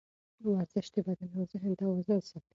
ورزش د بدن او ذهن توازن ساتي.